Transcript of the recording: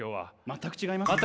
全く違います。